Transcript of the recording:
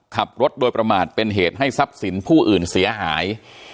ขับรถโดยประมาทเป็นเหตุให้ทรัพย์สินผู้อื่นเสียหาย